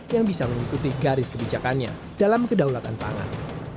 yang bisa mengikuti garis kebijakannya dalam kedaulatan pangan